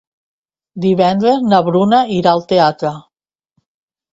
Divendres na Bruna irà al teatre.